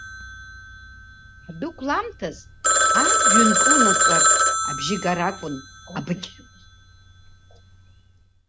Ҳдәықәламҭаз, ажәҩан кылнаҵәартә абжьы гар акәын абыкь.